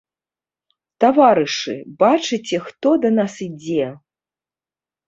Таварышы, бачыце, хто да нас ідзе?